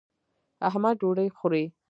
احمد ډوډۍ خوري.